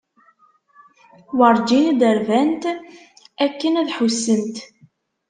Werǧin i d-rbant akken ad ḥussent.